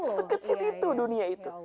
sekecil itu dunia itu